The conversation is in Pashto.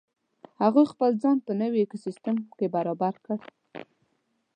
هغوی خپل ځان په نوې ایکوسیستم کې برابر کړ.